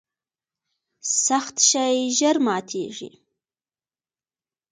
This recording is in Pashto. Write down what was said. سخت شی ژر ماتیږي.